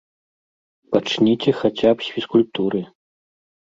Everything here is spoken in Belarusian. Пачніце хаця б з фізкультуры!